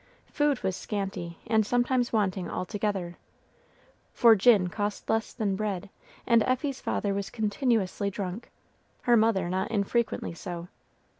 Food was scanty, and sometimes wanting altogether, for gin cost less than bread, and Effie's father was continuously drunk, her mother not infrequently so.